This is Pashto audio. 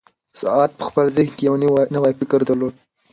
سعید په خپل ذهن کې یو نوی فکر درلود.